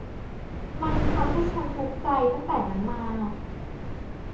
มันทำให้ฉันทุกข์ใจตั้งแต่นั้นมา